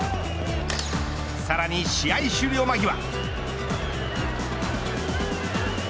さらに試合終了間際。